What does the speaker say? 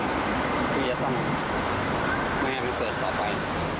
ที่จะต้องไม่ให้มันเกิดต่อไป